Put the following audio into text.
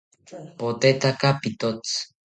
Potetaka pitotzi